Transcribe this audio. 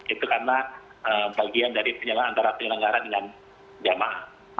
itu karena bagian dari penyelenggaran antara penyelenggaran dengan jemaah